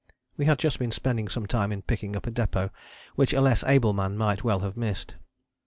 We had just been spending some time in picking up a depôt which a less able man might well have missed.